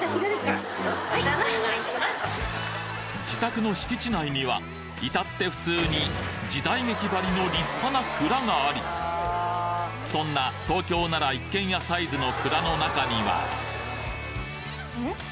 自宅の敷地内にはいたって普通に時代劇ばりの立派な蔵がありそんな東京なら一軒家サイズの蔵の中にはん？